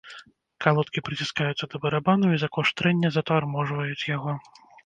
Калодкі прыціскаюцца да барабану, і за кошт трэння затарможваюць яго.